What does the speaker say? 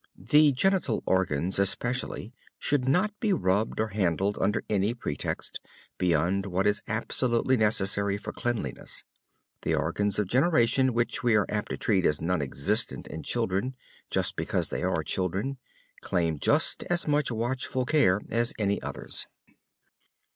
The genital organs, especially, should not be rubbed or handled under any pretext, beyond what is absolutely necessary for cleanliness. The organs of generation, which we are apt to treat as nonexistent in children, just because they are children, claim just as much watchful care as any others.